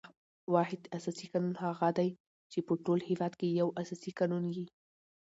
واحد اساسي قانون هغه دئ، چي په ټول هیواد کښي یو اساسي قانون يي.